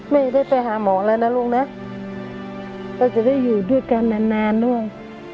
ไม่ได้ไปหาหมอแล้วนะลูกนะก็จะได้อยู่ด้วยกันนานนานด้วย